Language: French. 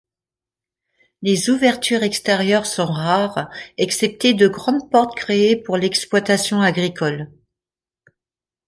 Les ouvertures extérieures sont rares, excepté de grandes portes créées pour l'exploitation agricole.